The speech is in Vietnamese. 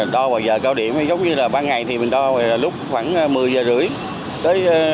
đo vào giờ cao điểm giống như là ban ngày thì mình đo lúc khoảng một mươi h ba mươi tới một mươi bốn h